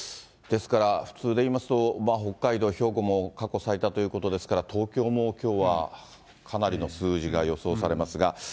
ですから、普通で言いますと、北海道、兵庫も過去最多ということですから、東京もきょうはかなりの数字が予想されますが。